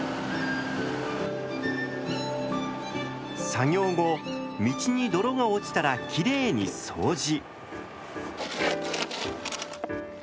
作業後道に泥が落ちたらキレイに掃除。